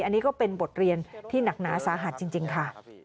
อันนี้ก็เป็นบทเรียนที่หนักหนาสาหัสจริงค่ะ